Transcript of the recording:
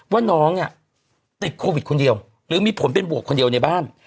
ว่าน้องเนี่ยติดโควิดคนเดียวหรือมีผลเป็นบวกคนเดียวในบ้าน